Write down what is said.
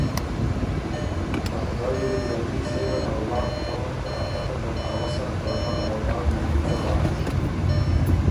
ا خدای دل يې ݫاتي سېره اولاد ڒوَن که ا پته دل اؤسا که ا اولاد يې بو څۀ بَۀ؟